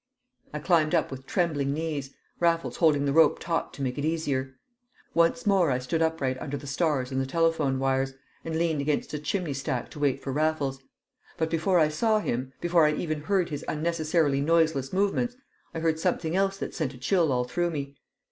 I climbed up with trembling knees, Raffles holding the rope taut to make it easier. Once more I stood upright under the stars and the telephone wires, and leaned against a chimney stack to wait for Raffles. But before I saw him, before I even heard his unnecessarily noiseless movements, I heard something else that sent a chill all through me.